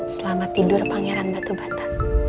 selamat tidur pangeran batu bata